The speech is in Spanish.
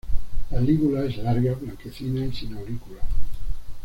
La lígula es larga, blanquecina y sin aurículas.